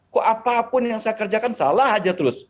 kok apapun yang saya kerjakan salah aja terus